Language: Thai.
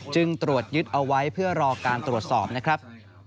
ตรวจยึดเอาไว้เพื่อรอการตรวจสอบนะครับ